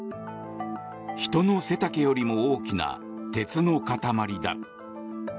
人の背丈よりも大きな鉄の塊だ。